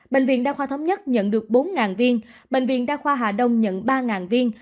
bệnh viện đa khoa thống nhất nhận được bốn viên bệnh viện đa khoa hà đông nhận ba viên